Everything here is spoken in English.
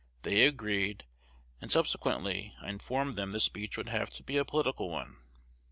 They agreed; and subsequently I informed them the speech would have to be a political one.